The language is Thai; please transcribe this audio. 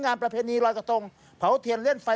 ประเพณีลอยกระทงเผาเทียนเล่นไฟ